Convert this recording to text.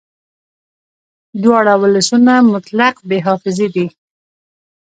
دواړه ولسونه مطلق بې حافظې دي